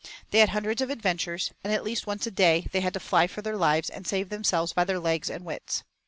They had hundreds of adventures, and at least once a day they had to fly for their lives and save themselves by their legs and wits.